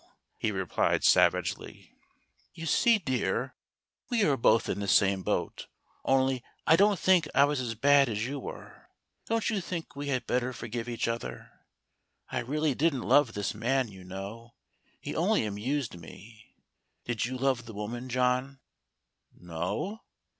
" he replied savagely. " You see, dear, we are both in the same boat, only I don't think I was as bad as you were. Don't you think we had better forgive each other? I really didn't love this man, you know; he only amused me. Did you love the woman, John? "" No